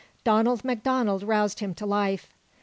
Donald MacDonald roused him to life.